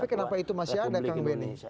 tapi kenapa itu masih ada kang benny